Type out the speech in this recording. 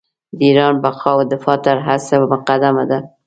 د ایران بقا او دفاع تر هر څه مقدمه ده.